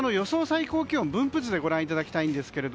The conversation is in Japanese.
最高気温分布図でご覧いただきます。